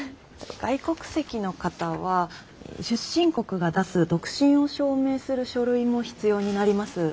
外国籍の方は出身国が出す独身を証明する書類も必要になります。